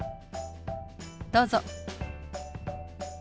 どうぞ。